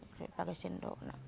pakai sendok nak